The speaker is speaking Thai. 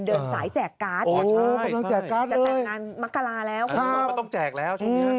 เดินสายแจกการ์ดจะแต่งงานมักกะลาแล้วคุณผู้ชมมันต้องแจกแล้วชัมพีธรรม